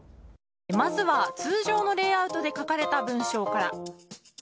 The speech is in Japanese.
まずは、通常のレイアウトで書かれた文章から。